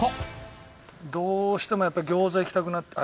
どうしてもやっぱり餃子いきたくなって。